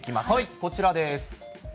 こちらです。